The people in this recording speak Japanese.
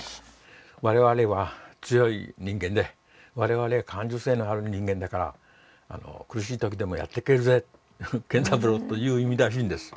「我々は強い人間で我々は感受性のある人間だから苦しいときでもやっていけるぜ健三郎」という意味らしいんです。